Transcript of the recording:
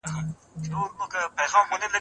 د ماشوم عقل په کاڼو هوښیارانو یم ویشتلی